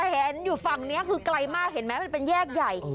เห็นอยู่ฝั่งนี้คือไกลมากเห็นไหมมันเป็นแยกใหญ่